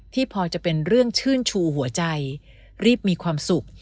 พอจะเป็นเรื่องชื่นชูหัวใจรีบมีความสุข